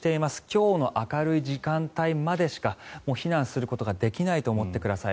今日の明るい時間帯までしかもう避難することができないと思ってください。